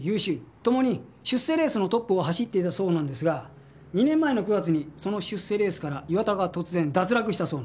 ともに出世レースのトップを走っていたそうなんですが２年前の９月にその出世レースから岩田が突然脱落したそうなんです。